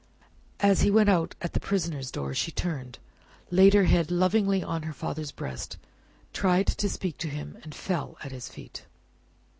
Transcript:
As he went out at the prisoners' door, she turned, laid her head lovingly on her father's breast, tried to speak to him, and fell at his feet.